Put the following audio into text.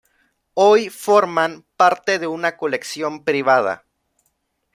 Hoy forman parte de una colección privada.